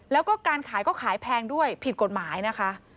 แล้วก็การขายก็ขายแพงด้วยผิดกฎหมายนะคะ